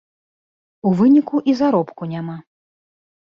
У выніку і заробку няма.